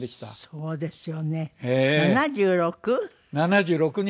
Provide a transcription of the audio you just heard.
そうですよ。